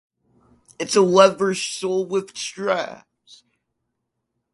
It's a leather sole with straps.